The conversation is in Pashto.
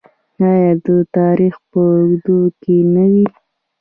آیا د تاریخ په اوږدو کې نه وي؟